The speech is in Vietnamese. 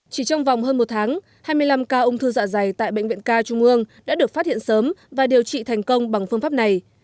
chỉ trong vòng hơn một tháng hai mươi năm ca ung thư dạ dày tại bệnh viện ca trung ương đã được phát hiện sớm và điều trị thành công bằng phương pháp này